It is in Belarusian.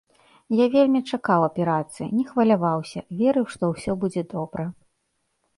Я вельмі чакаў аперацыі, не хваляваўся, верыў, што ўсё будзе добра.